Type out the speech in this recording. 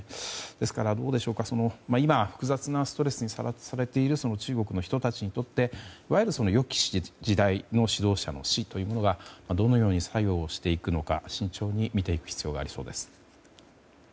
ですから、今は複雑なストレスにさらされている中国の人たちにとっていわゆる、良き時代の指導者の死というのがどのように作用していくのか慎重に見ていく必要がありそうです。